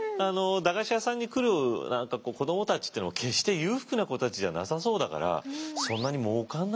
駄菓子屋さんに来る子どもたちっていうのも決して裕福な子たちじゃなさそうだからまあね